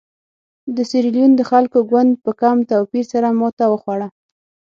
د سیریلیون د خلکو ګوند په کم توپیر سره ماته وخوړه.